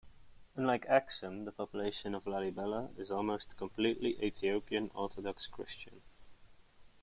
Unlike Aksum, the population of Lalibela is almost completely Ethiopian Orthodox Christian.